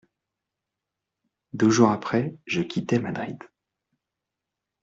Deux jours après, je quittais Madrid.